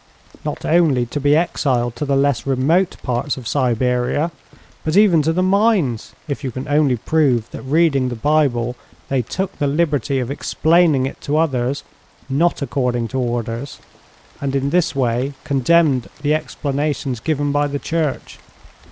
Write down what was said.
"Not only to be exiled to the less remote parts of Siberia, but even to the mines, if you can only prove that reading the Bible they took the liberty of explaining it to others not according to orders, and in this way condemned the explanations given by the Church.